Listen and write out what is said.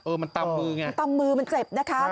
มันตำมือไงมันตำมือมันเจ็บนะคะ